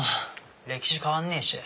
歴史変わんねえし。